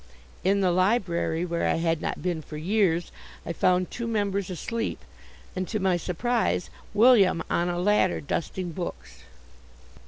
In the library, where I had not been for years, I found two members asleep, and, to my surprise, William on a ladder dusting books.